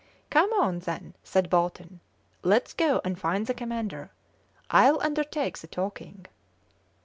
"Come on, then," said Bolton; "let's go and find the commander; I'll undertake the talking."